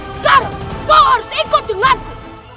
sekarang kau harus ikut denganmu